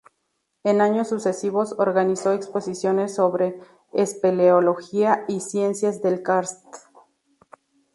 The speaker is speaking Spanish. En años sucesivos organizó exposiciones sobre espeleología y ciencias del karst.